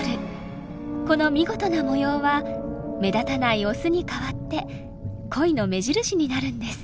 この見事な模様は目立たないオスに代わって恋の目印になるんです。